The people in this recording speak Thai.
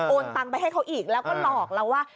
ตังไปให้เขาอีกแล้วก็หลอกเราว่า